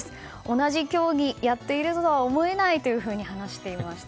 同じ競技やっているとは思えないと話していました。